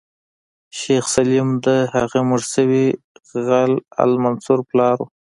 شیخ سلیم د هغه مړ شوي غل المنصور پلار و.